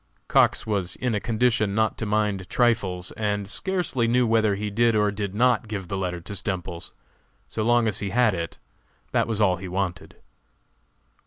Cox was in a condition not to mind trifles, and scarcely knew whether he did or did not give the letter to Stemples. So long as he had it, that was all he wanted.